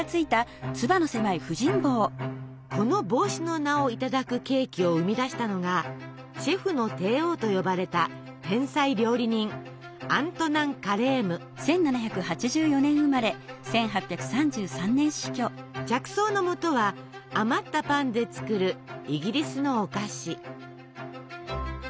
この帽子の名をいただくケーキを生み出したのが「シェフの帝王」と呼ばれた天才料理人着想のもとは余ったパンで作るイギリスのお菓子。